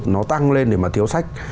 nó tăng lên để mà thiếu sách